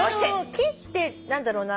「機」って何だろうな。